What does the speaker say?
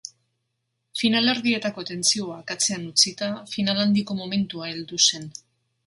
Finalerdietako tentsioak atzean utzita, final handiko momentua heldu zen.